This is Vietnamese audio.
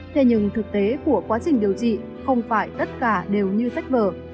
thế nhưng thực tế của quá trình điều trị không phải tất cả những bác sĩ